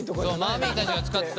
マミーたちが使ってた。